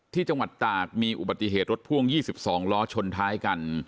ที่จังหวัดตากมีอุบัติเหตุรถพ่วง๒๒ล้อชนท้ายกัน